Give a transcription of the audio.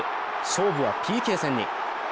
勝負はＰＫ戦に。